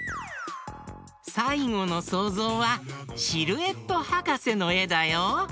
さいごのそうぞうはシルエットはかせのえだよ。